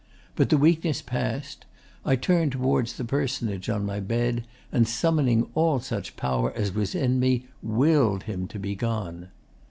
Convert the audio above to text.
But the weakness passed. I turned towards the personage on my bed, and, summoning all such power as was in me, WILLED him to be gone.